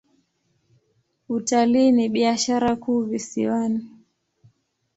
Utalii ni biashara kuu visiwani.